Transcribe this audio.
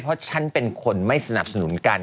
เพราะฉันเป็นคนไม่สนับสนุนกัน